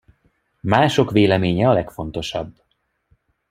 Mások véleménye a legfontosabb.